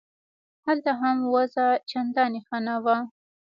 هلته هم وضع چندانې ښه نه وه.